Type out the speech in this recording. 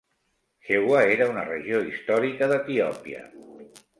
Shewa era una regió històrica d'Etiòpia.